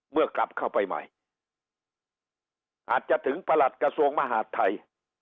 กลับเข้าไปใหม่อาจจะถึงประหลัดกระทรวงมหาดไทย